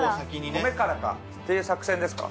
米からかっていう作戦ですか？